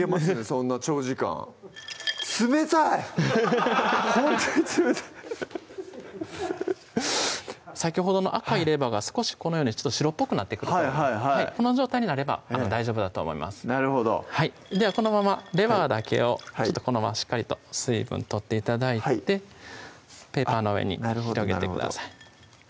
ほんとに冷たい先ほどの赤いレバーが少しこのように白っぽくなってくるとこの状態になれば大丈夫だと思いますなるほどではこのままレバーだけをこのまましっかりと水分取って頂いてペーパーの上に広げてください